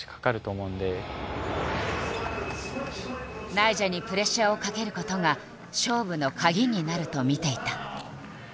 ナイジャにプレッシャーをかけることが勝負のカギになると見ていた。